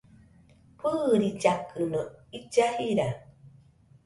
Fɨɨrillakɨno illa jira